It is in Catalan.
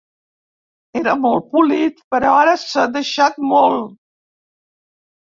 Era molt polit, però ara s'ha deixat molt.